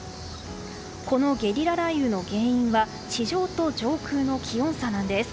このゲリラ雷雨の原因は地上と上空の気温差なんです。